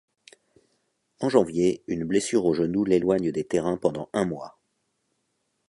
En janvier, une blessure au genou l'éloigne des terrains pendant un mois.